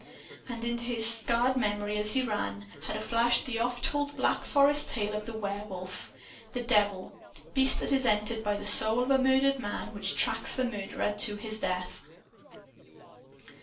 And into his scared memory, as he ran, had flashed the ofttold Black Forest tale of the Werewolf the devil beast that is entered by the soul of a murdered man and which tracks the murderer to his death.